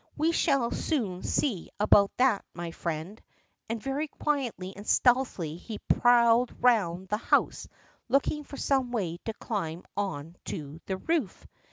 We shall soon see about that, my friend," and very quietly and stealthily he prowled round the house looking for some way to climb on to the roof.